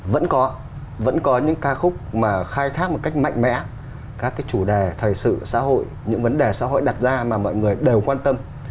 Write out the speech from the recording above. vẫn có những ca khúc mà khai thác một cách mạnh mẽ các cái chủ đề thời sự xã hội những vấn đề xã hội đặt ra mà mọi người đều quan tâm